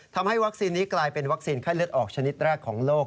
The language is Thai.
ทำให้วัคซีนนี้กลายเป็นวัคซีนไข้เลือดออกชนิดแรกของโลก